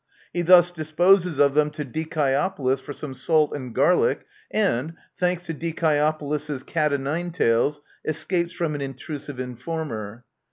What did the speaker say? He thus disposes of them to DicKopolis for some salt and garlic, and, thanks to Dicaeopolis's cat o' nine tails, escapes from an intrusive informer.